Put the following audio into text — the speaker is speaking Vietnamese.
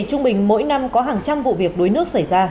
trung bình mỗi năm có hàng trăm vụ việc đuối nước xảy ra